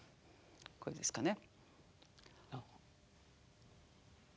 こうですかね。